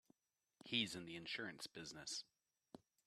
He's in the insurance business.